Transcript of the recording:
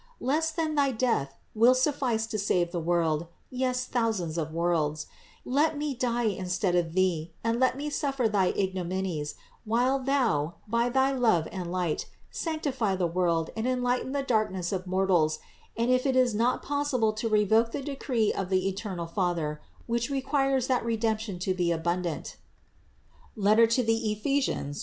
Less than thy Death will suffice to save the world, yes thousands of worlds; let me die instead of Thee, and let me suffer thy ignominies, while Thou, by thy love and light, sanctify the world and enlighten the darkness of mortals, and if it is not pos sible to revoke the decree of the eternal Father, which requires that Redemption be abundant (Ephes.